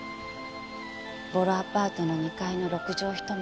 ボロアパートの２階の６畳一間。